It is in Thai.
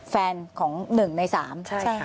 แฟนของหนึ่งในสาม